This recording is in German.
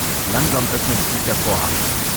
Langsam öffnet sich der Vorhang.